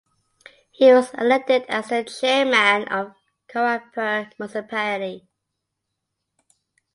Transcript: He was elected as the chairman of Kharagpur Municipality.